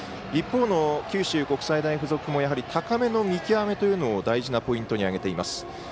一方の九州国際大付属も高めの見極めというのを大事なポイントとして挙げています。